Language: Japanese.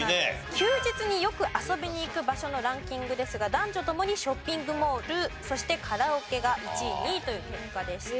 休日によく遊びに行く場所のランキングですが男女共にショッピングモールそしてカラオケが１位２位という結果でした。